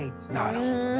なるほどね。